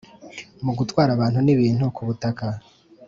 mu gutwara abantu n'ibintu ku butaka